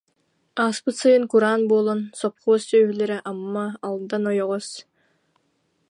Ааспыт сайын кураан буолан, сопхуос сүөһүлэрэ Амма, Алдан ойоҕос